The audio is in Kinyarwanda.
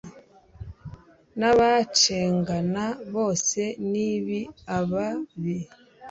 n'abacengana bose nib ababi